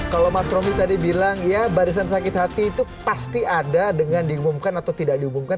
kalau mas romy tadi bilang ya barisan sakit hati itu pasti ada dengan diumumkan atau tidak diumumkan